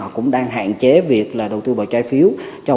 họ cũng đang hạn chế việc là đầu tư vào trái phiếu